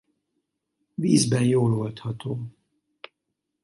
Vízben jól oldható.